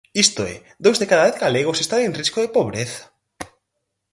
Isto é, dous de cada dez galegos están en risco de pobreza.